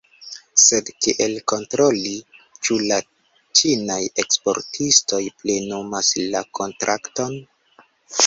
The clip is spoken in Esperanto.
Sed kiel kontroli, ĉu la ĉinaj eksportistoj plenumas la kontrakton?